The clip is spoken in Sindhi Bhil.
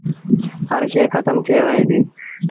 هر شئي کتم ٿئي وهي ديٚ